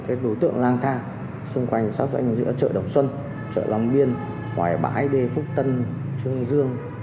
cái đối tượng lang thang xung quanh xác định giữa chợ đồng xuân chợ long biên hoài bãi đê phúc tân trương dương